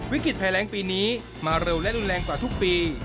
ภัยแรงปีนี้มาเร็วและรุนแรงกว่าทุกปี